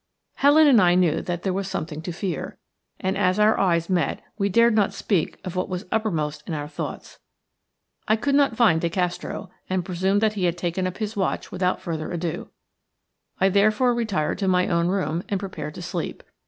Helen and I knew that there was something to fear, and as our eyes met we dared not speak of what was uppermost in our thoughts. I could not find De Castro, and presumed that he had taken up his watch without further ado. I therefore retired to my own room and prepared to sleep.